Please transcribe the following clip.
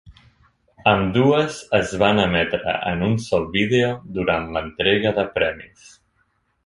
Ambdues es van emetre en un sol vídeo durant l'entrega de premis.